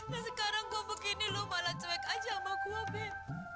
nah sekarang gue begini lu malah cuek aja sama gue bea